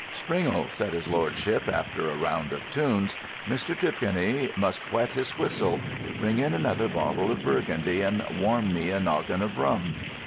"Springle," said his lordship after a round of tunes, "Mr. Tripconey must whet his whistle. Bring in another bottle of Burgundy and warm me a noggin of rum."